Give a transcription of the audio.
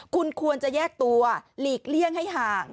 คุณควรจะแยกตัวหลีกเลี่ยงให้ห่าง